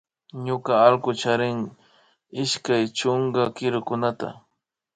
Ñuka allku charin ishkay chunka kirukunata